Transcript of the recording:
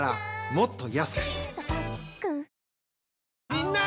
みんな！